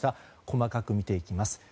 細かく見ていきます。